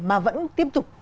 mà vẫn tiếp tục